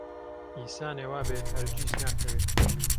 ئینسانێ وابێ هەرگیز ناکەوێ